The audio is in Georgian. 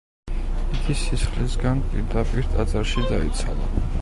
იგი სისხლისგან პირდაპირ ტაძარში დაიცალა.